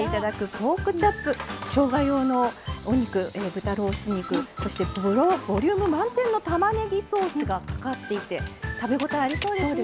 しょうが用のお肉豚ロース肉そしてボリューム満点のたまねぎソースがかかっていて食べ応えありそうですね。